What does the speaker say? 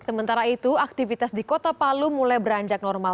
sementara itu aktivitas di kota palu mulai beranjak normal